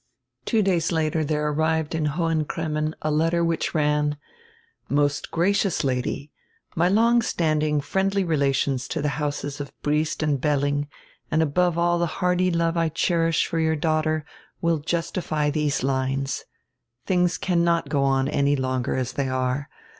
Two days later there arrived in Hohen Cremmen a letter which ran: "Most gracious Lady: My long standing friendly relations to the houses of Briest and Belling, and ahove all die hearty love I cherish for your daughter, will justify these lines. Things cannot go on any longer as they are.